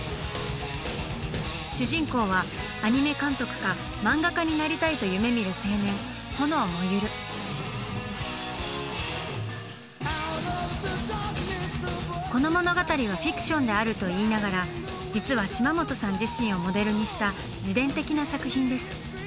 主人公はアニメ監督か漫画家になりたいと夢みる青年焔燃。と言いながら実は島本さん自身をモデルにした自伝的な作品です。